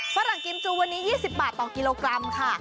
ฝรั่งกิมจูวันนี้๒๐บาทต่อกิโลกรัมค่ะ